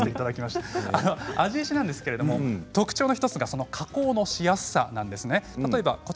庵治石なんですが特徴の１つが加工のしやすさです。